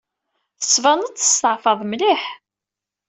Tettbaneḍ-d testeɛfaḍ mliḥ.